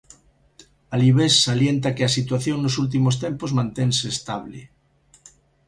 Alibés salienta que a situación nos últimos tempos mantense estable.